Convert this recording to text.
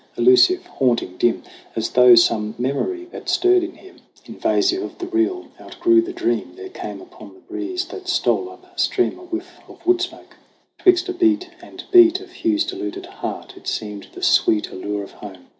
Elusive, haunting, dim, As though some memory that stirred in him, THE CRAWL 81 Invasive of the real, outgrew the dream, There came upon the breeze that stole up stream A whiff of woodsmoke. 'Twixt a beat and beat Of Hugh's deluded heart, it seemed the sweet Allure of home.